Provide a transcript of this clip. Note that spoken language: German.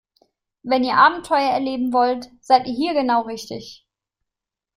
Wenn ihr Abenteuer erleben wollt, seid ihr hier genau richtig.